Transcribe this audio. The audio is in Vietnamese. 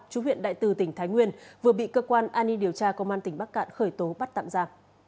chú huyện đại từ tỉnh thái nguyên vừa bị cơ quan an ninh điều tra công an tỉnh bắc cạn khởi tố bắt tạm ra